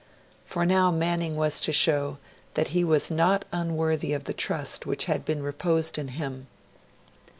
For now Manning was to show that he was not unworthy of the trust which had been reposed in him.